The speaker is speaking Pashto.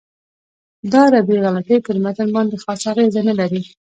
دا عربي غلطۍ پر متن باندې خاصه اغېزه نه لري.